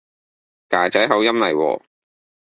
㗎仔口音嚟喎